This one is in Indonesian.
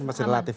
oke masih relatif